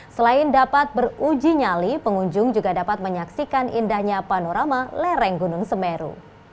selain dapat beruji nyali pengunjung juga dapat menyaksikan indahnya panorama lereng gunung semeru